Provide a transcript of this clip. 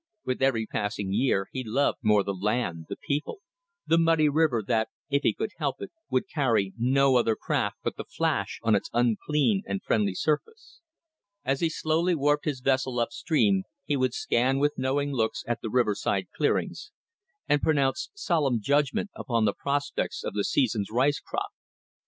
With every passing year he loved more the land, the people, the muddy river that, if he could help it, would carry no other craft but the Flash on its unclean and friendly surface. As he slowly warped his vessel up stream he would scan with knowing looks the riverside clearings, and pronounce solemn judgment upon the prospects of the season's rice crop.